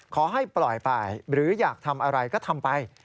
ขอให้ปล่อยไปหรืออยากทำอะไรก็ทำไป